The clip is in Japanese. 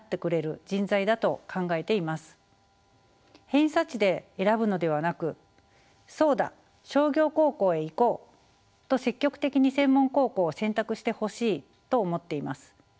偏差値で選ぶのではなく「そうだ商業高校へ行こう！」と積極的に専門高校を選択してほしいと思っています。